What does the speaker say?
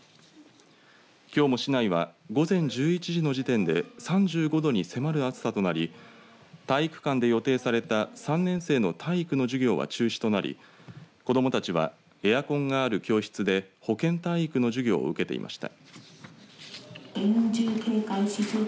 きょうも市内は午前１１時の時点で３５度に迫る暑さとなり体育館で予定された３年生の体育の授業は中止となり子どもたちはエアコンがある教室で保健体育の授業を受けていました。